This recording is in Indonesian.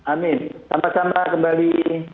amin sampai jumpa kembali